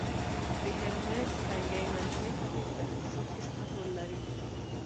د هرمرز تنګی منځني ختیځ په اقتصاد کې ستر رول لري